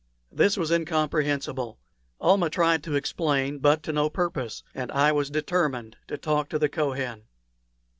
This was incomprehensible. Almah tried to explain, but to no purpose, and I determined to talk to the Kohen.